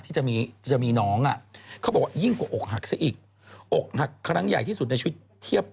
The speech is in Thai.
เค้าบอกว่ายิ่งกว่าอกหักซะอีก